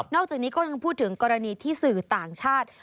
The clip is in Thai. อกจากนี้ก็ยังพูดถึงกรณีที่สื่อต่างชาติ